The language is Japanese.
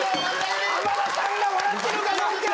浜田さんが笑ってるかどうか！